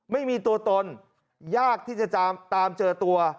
ไม่มีตัวตนยากที่จะตามเจอตัว